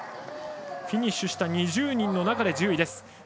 フィニッシュした２０人の中で１０位。